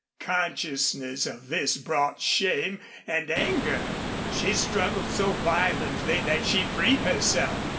Consciousness of this brought shame and anger. She struggled so violently that she freed herself.